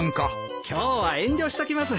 今日は遠慮しときます。